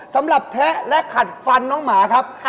สำหรับแทะและขัดฟันน้องหมาครับ